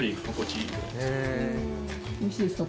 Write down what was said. おいしいですか？